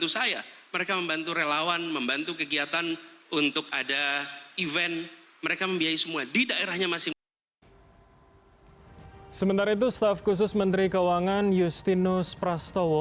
sementara itu staf khusus menteri keuangan justinus prastowo